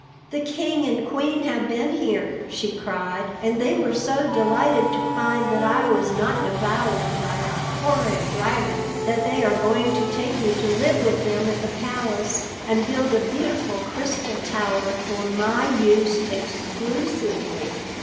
"The King and Queen have been here," she cried, "and they were so delighted to find that I was not devoured by a horrid dragon that they are going to take me to live with them at the palace, and build a beautiful crystal tower for my use exclusively."